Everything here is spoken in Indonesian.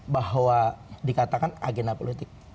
bahwa dikatakan agenda politik